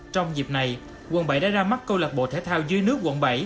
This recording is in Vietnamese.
trong dịp này quận bảy đã ra mắt câu lạc bộ thể thao dưới nước quận bảy